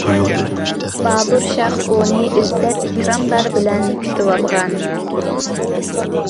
بابۇر شاھ ئۇنى ئىززەت-ئىكراملار بىلەن كۈتۈۋالغان.